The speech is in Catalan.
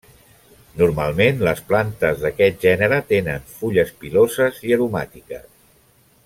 Normalment les plantes d'aquest gènere tenen fulles piloses i aromàtiques.